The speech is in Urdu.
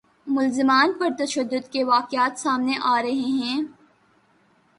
ملزمان پر تشدد کے واقعات سامنے آ رہے ہیں